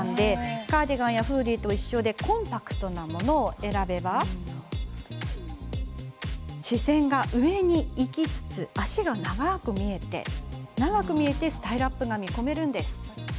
カーディガンやフーディーと同様コンパクトなものを選べば視線が上に行きつつ脚が長く見えてスタイルアップが見込めます。